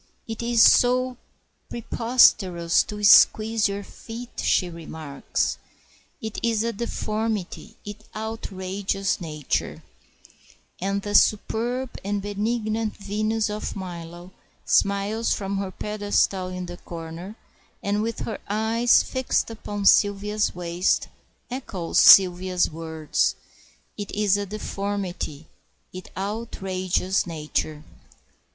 "It is so preposterous to squeeze your feet," she remarks; "it is a deformity, it outrages nature;" and the superb and benignant Venus of Milo smiles from her pedestal in the corner, and with her eyes fixed upon Sylvia's waist, echoes Sylvia's words, "It is a deformity, it outrages nature."